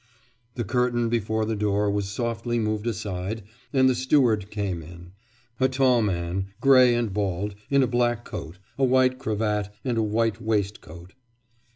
The curtain before the door was softly moved aside and the steward came in, a tall man, grey and bald, in a black coat, a white cravat, and a white waistcoat.